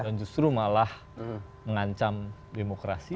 dan justru malah mengancam demokrasi